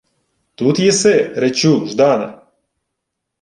— Тут єси, речу, Ждане?